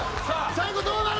最後どうなる？